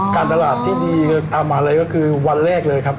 การตลาดที่ดีตามมาเลยก็คือวันแรกเลยครับ